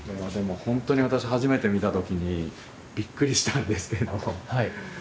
でも本当に私初めて見た時にびっくりしたんですけれども。